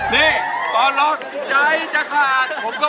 นี่กรดลองใจจะขาด